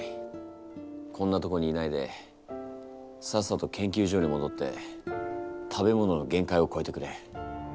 こんなとこにいないでさっさと研究所にもどって食べ物の限界を超えてくれ。